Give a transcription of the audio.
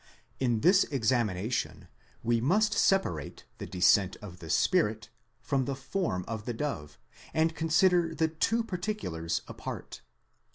In this examination we must separate the descent of the Spirit from the form of the dove, and consider the two particulars apart.